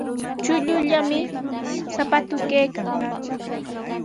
Chullallami sapatuu kaykan.